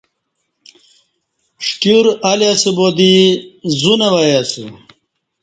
ݜٹیور الی اسہ با دی زو نہ وای اسہ